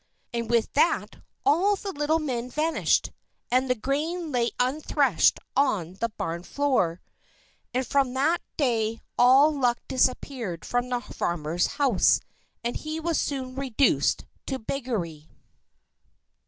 And with that all the little men vanished, and the grain lay unthreshed on the barn floor. And from that day all luck disappeared from the farmer's house, and he was soon reduced to beggary.